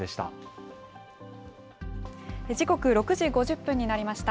時刻６時５０分になりました。